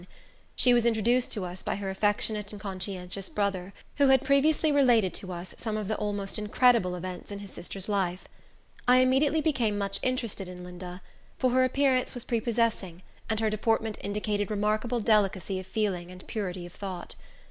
She was introduced to us by her affectionate and conscientious brother, who had previously related to us some of the almost incredible events in his sister's life. I immediately became much interested in Linda; for her appearance was prepossessing, and her deportment indicated remarkable delicacy of feeling and purity of thought.